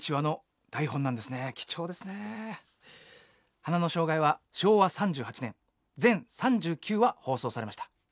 「花の生涯」は昭和３８年全３９話放送されました。